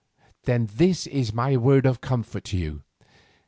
This then is my word of comfort to you.